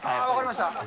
分かりました。